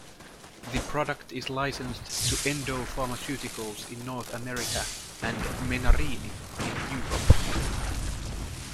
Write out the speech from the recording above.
The product is licensed to Endo Pharmaceuticals in North America and Menarini in Europe.